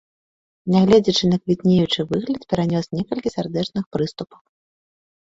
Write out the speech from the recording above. Нягледзячы на квітнеючы выгляд, перанёс некалькі сардэчных прыступаў.